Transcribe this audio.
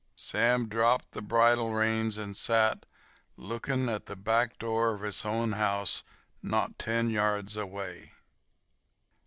Sam dropped the bridle reins and sat, looking into the back door of his own house, not ten yards away.